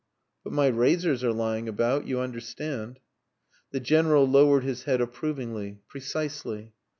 But my razors are lying about you understand." The General lowered his head approvingly. "Precisely."